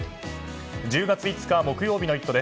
１０月５日、木曜日の「イット！」